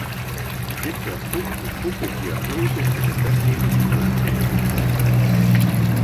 Dit geldt ook voor vroege diagnose en het wegnemen van belemmeringen voor tests.